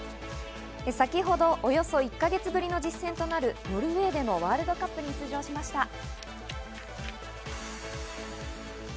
先ほどおよそ１か月ぶりの実戦となるノルウェーでのワールドカップに出場しました。